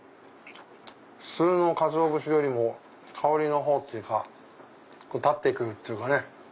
普通のかつお節よりも香りの方っつうか立っていくっていうかね。